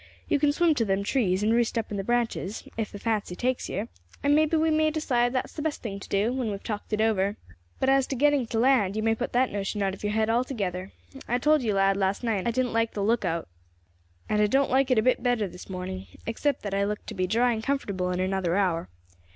You can swim to them trees, and roost up in the branches, if the fancy takes yer, and may be we may decide that's the best thing to do, when we have talked it over; but as to getting to land, you may put that notion out of your head altogether. I told you, lad, last night, I didn't like the lookout, and I don't like it a bit better this morning, except that I look to be dry and comfortable in another hour.